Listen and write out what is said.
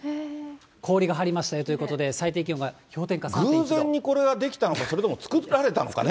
氷が張りましたよということで、偶然にこれは出来たのか、それとも作られたのかね。